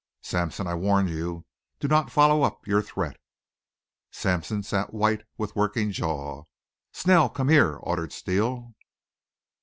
Sampson, I warn you don't follow up your threat." Sampson sat white with working jaw. "Snell, come here," ordered Steele.